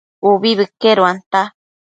Ubi bëqueduanta